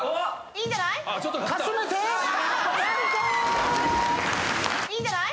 いいんじゃない。